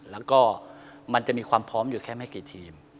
แล้วก็มันจะมีความพร้อมอยู่แค่ไม่กี่ทีม